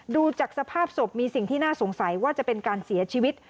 ดูจากสภาพศพมีสิ่งที่น่าสงสัยว่าจะเป็นการเสียชีวิต